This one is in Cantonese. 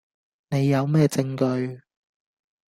你有咩證據?